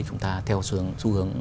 chúng ta theo xu hướng